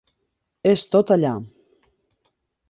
És tot allà.